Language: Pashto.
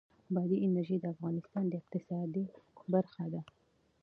بادي انرژي د افغانستان د اقتصاد برخه ده.